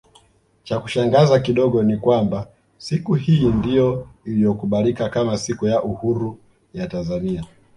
Chakushangaza kidogo ni kwamba siku hii ndio iliyokubalika kama siku ya uhuru ya Tanzania